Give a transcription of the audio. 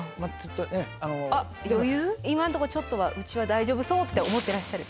今のとこちょっとはうちは大丈夫そうって思っていらっしゃる？